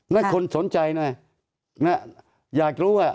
และคนสนใจนะอยากรู้ว่า